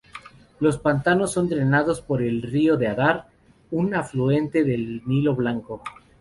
Los pantanos son drenados por el río de Adar, un afluente del Nilo Blanco.